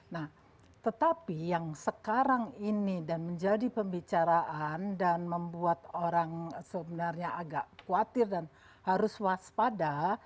nah tetapi yang sekarang ini dan menjadi pembicaraan dan membuat orang sebenarnya agak khawatir dan harus waspada